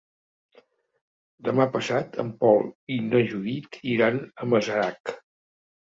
Demà passat en Pol i na Judit iran a Masarac.